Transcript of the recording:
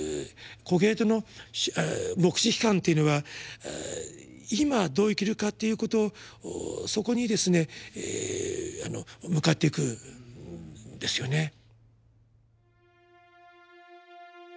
コヘレトの黙示批判っていうのは今どう生きるかっていうことそこにですね向かっていくんですよね。